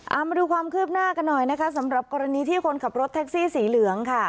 เอามาดูความคืบหน้ากันหน่อยนะคะสำหรับกรณีที่คนขับรถแท็กซี่สีเหลืองค่ะ